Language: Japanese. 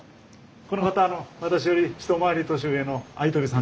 この方あの私より一回り年上の鮎飛さんです。